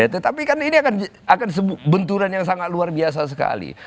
tetapi kan ini akan benturan yang sangat luar biasa sekali